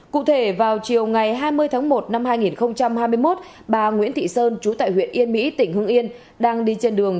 cụ thể vào chiều ngày hai mươi tháng một năm hai nghìn hai mươi một bà nguyễn thị sơn trú tại huyện yên mỹ tỉnh hưng yên đang đi trên đường